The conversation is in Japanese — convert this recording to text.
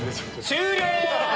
終了！